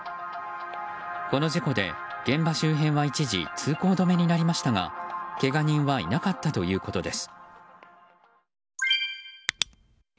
この事故で現場周辺は一時通行止めになりましたがけが人はいなかったということです。